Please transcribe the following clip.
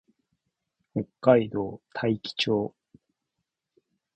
北海道大樹町